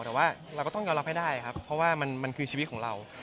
แต่ว่าเราก็ต้องยอมรับให้ได้ครับเพราะว่ามันคือชีวิตของเรา